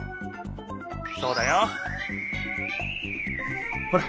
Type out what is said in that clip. そうだよ！ほら！